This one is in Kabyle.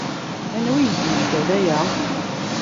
Anwa i yak-d-ifkan aya?